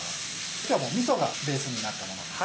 今日はみそがベースになったものです。